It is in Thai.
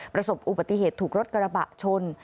ประสบอุบัติเหตุถูกรถกระบะชน